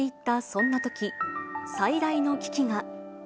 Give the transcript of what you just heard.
そんなとき、最大の危機が。